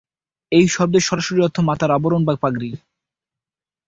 এই শব্দের সরাসরি অর্থ "মাথার-আবরণ বা পাগড়ি"।